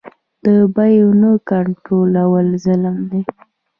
د بیو نه کنټرول ظلم دی.